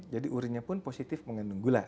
jadi urinnya pun positif mengandung gula